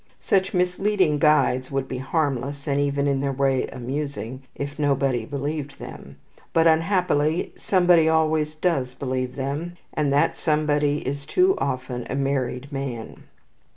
Such misleading guides would be harmless, and even in their way amusing, if nobody believed them; but unhappily somebody always does believe them, and that somebody is too often a married man.